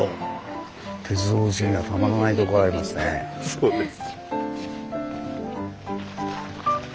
そうです。